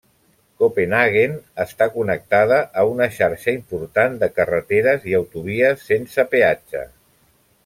Copenhaguen està connectada a una xarxa important de carreteres i autovies sense peatge.